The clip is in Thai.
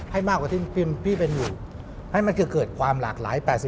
ให้มากกว่าที่พี่เป็นอยู่ให้มันจะเกิดความหลากหลาย๘๐